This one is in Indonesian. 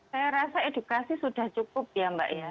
saya rasa edukasi sudah cukup ya mbak ya